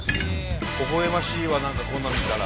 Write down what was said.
ほほ笑ましいわ何かこんなの見たら。